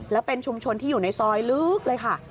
แล้วเป็นชุมชนที่อยู่ในซอยลึกเลยค่ะ